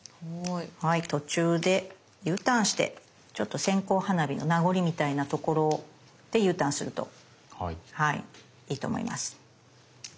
途中でＵターンしてちょっと線香花火の名残みたいなところでＵターンするといいと思います。